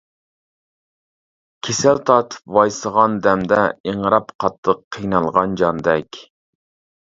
كېسەل تارتىپ ۋايسىغان دەمدە، ئىڭراپ قاتتىق قىينالغان جاندەك.